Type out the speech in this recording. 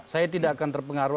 saya tidak akan terpengaruh